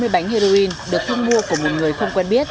bốn mươi bánh heroin được thương mua của một người không quen biết